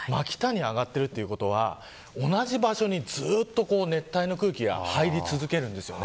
真北に上がっているということは同じ場所にずっと熱帯の空気が入り続けるんです。